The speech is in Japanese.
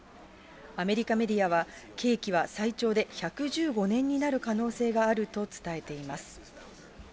アメリカメディアは、刑期は最長で１１５年になる可能性があると伝えています。